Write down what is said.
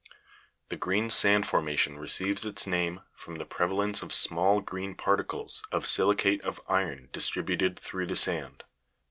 The green sand formation receives its name from the prevalence of small green particles of si'licate of iron distributed through the sand.